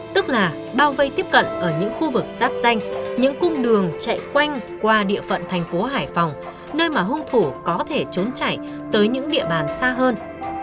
tức là bao vây tiếp cận ở những khu vực giáp danh những cung đường chạy quanh qua địa phận thành phố hải phòng nơi mà hung thủ có thể trốn chạy tới những địa bàn xa hơn